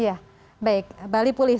ya baik bali pulih